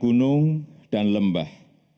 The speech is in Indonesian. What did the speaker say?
gegar gunung dan lembah